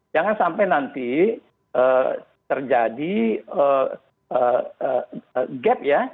jangan sampai nanti terjadi gap ya